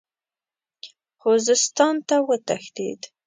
خوزستان ته وتښتېد.